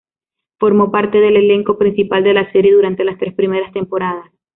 Formó parte del elenco principal de la serie durante las tres primeras temporadas.